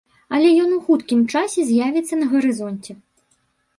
Але ён у хуткім часе з'явіцца на гарызонце.